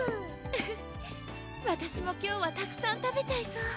フフッわたしも今日はたくさん食べちゃいそう